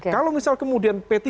kalau misal kemudian p tiga